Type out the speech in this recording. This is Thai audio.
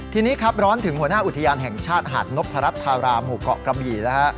ทีนี้ครับร้อนถึงหัวหน้าอุทยานแห่งชาติหาดนพรัชธารามหมู่เกาะกระบี่นะฮะ